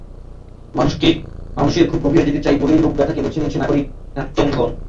মানুষের খুব গভীরে যেতে চাই বলেই লোকগাথাকে বেছে নিয়েছে নাগরিক নাট্যঙ্গন।